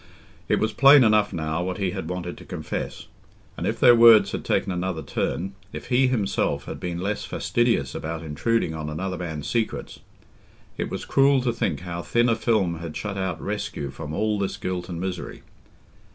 It was plain enough now what he had wanted to confess. And if their words had taken another turn... if he himself had been less fastidious about intruding on another man's secrets... it was cruel to think how thin a film had shut out rescue from all this guilt and misery.